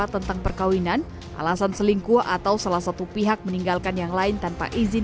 tentang perkawinan alasan selingkuh atau salah satu pihak meninggalkan yang lain tanpa izin